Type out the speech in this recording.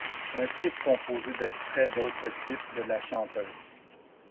Un clip composé d'extraits d'autres clips de la chanteuse.